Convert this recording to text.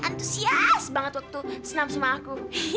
antusias banget waktu senam sama aku